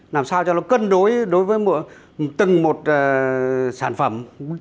làm sao cho nó cân đối đối với từng một sản phẩm